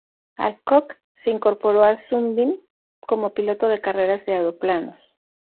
Alcock se incorporó a Sunbeam como piloto de carreras de aeroplanos.